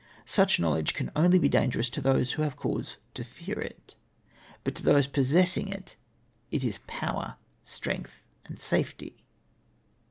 Such knowledge can only be dangerous to those who have cause to fear it, but to those possessing it it is power, strength, and safety.